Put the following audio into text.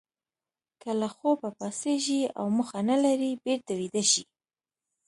که له خوبه پاڅېږئ او موخه نه لرئ بېرته ویده شئ.